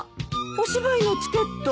お芝居のチケット！